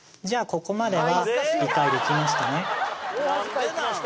ここまでは理解できましたね